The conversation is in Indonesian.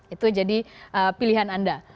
itu jadi pilihan anda